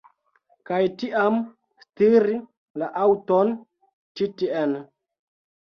Kaj tiam stiri la aŭton ĉi tien